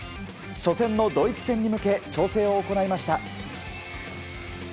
初戦のドイツ戦に向けて調整を行いました。